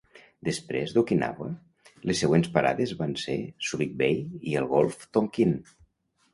Després d'Okinawa, les següents parades van ser, Subic Bay i el golf Tonkin.